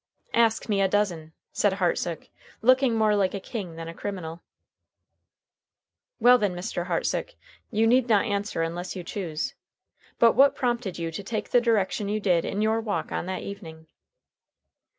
"Ask me a dozen," said Hartsook, looking more like a king than a criminal. "Well, then, Mr. Hartsook. You need not answer unless you choose; but what prompted you to take the direction you did in your walk on that evening?"